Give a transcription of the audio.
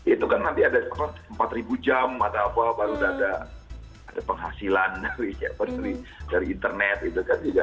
itu kan nanti ada empat jam atau apa baru ada penghasilan dari internet gitu kan juga